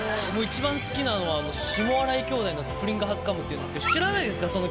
もう一番好きなのは『下荒井兄弟のスプリング、ハズ、カム。』っていうんですけど知らないですか？